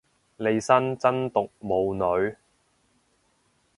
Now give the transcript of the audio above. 利申真毒冇女